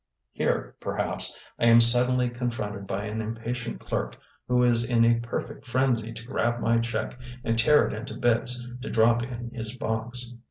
"] Here, perhaps, I am suddenly confronted by an impatient clerk who is in a perfect frenzy to grab my check and tear it into bits to drop in his box.